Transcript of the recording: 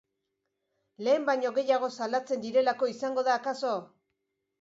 Lehen baino gehiago salatzen direlako izango da akaso?